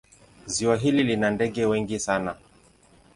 Ziwa hili lina ndege wengi sana.